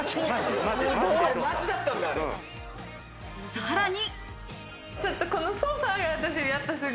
さらに。